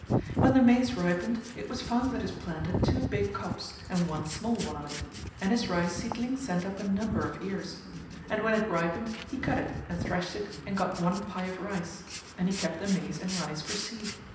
When the maize ripened it was found that his plant had two big cobs and one small one on it, and his rice seedling sent up a number of ears; and when it ripened he cut it and threshed it and got one pai of rice, and he kept the maize and rice for seed.